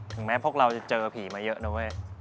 ถึงแม้เราจะเจอผีมาเยอะนะเว้ย